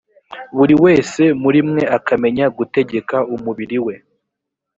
buri wese muri mwe akamenya gutegeka umubiri we